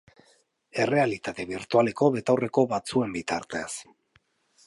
Errealitate birtualeko betaurreko batzuen bitartez.